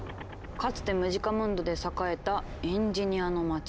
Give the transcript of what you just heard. かつてムジカムンドで栄えたエンジニアの街。